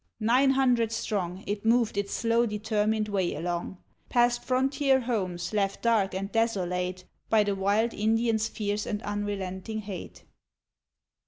Nine hundred strong It moved its slow determined way along, Past frontier homes left dark and desolate By the wild Indians' fierce and unrelenting hate; VI.